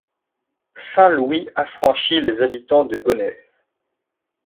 Saint Louis affranchit les habitants de Gonesse.